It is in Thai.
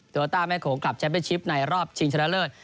โลต้าแม่โขงกลับแชมเป็นชิปในรอบชิงชนะเลิศ